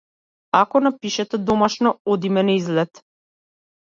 Ако напишете домашно одиме на излет.